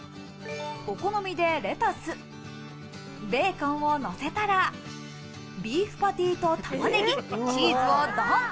お好みでレタス、ベーコンをのせたら、ビーフパティと玉ねぎ、チーズをドン！